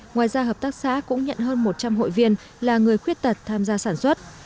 ngoài ra hợp tác xã cũng nhận hơn một trăm linh hội viên là người khuyết tật tham gia sản xuất